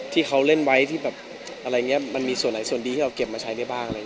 ที่เค้าเล่นไว้ที่มันมีส่วนไหนส่วนดีที่เราเก็บมาใช้ได้บ้าง